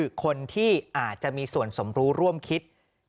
คือคนที่อาจจะมีส่วนสมรู้ร่วมคิด